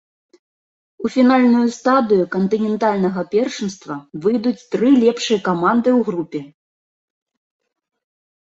У фінальную стадыю кантынентальнага першынства выйдуць тры лепшыя каманды ў групе.